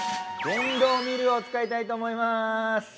電動ミルを使いたいと思います。